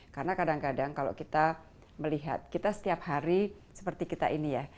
karena kadang kadang kalau kita melihat kita setiap hari seperti kita ini ya